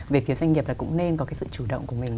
về phía doanh nghiệp là cũng nên có cái sự chủ động của mình